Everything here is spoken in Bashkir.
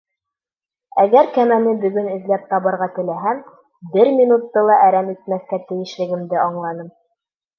Әгәр кәмәне бөгөн эҙләп табырға теләһәм, бер минутты ла әрәм итмәҫкә тейешлегемде аңланым.